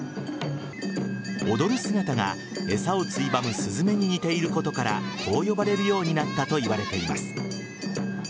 踊る姿が餌をついばむスズメに似ていることからこう呼ばれるようになったといわれています。